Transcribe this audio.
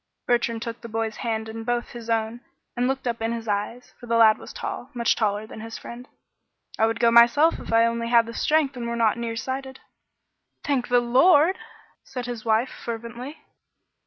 Bertrand took the boy's hand in both his own and looked up in his eyes, for the lad was tall, much taller than his friend. "I would go myself if I only had the strength and were not near sighted." "Thank the Lord!" said his wife, fervently.